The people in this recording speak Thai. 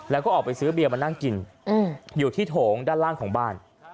แล้วก็ออกไปซื้อเบียร์มานั่งกินอยู่ที่โถงด้านล่างของบ้าน